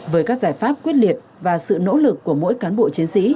với các giải pháp quyết liệt và sự nỗ lực của mỗi cán bộ chiến sĩ